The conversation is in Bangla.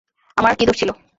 আমার কি দোষ ছিল?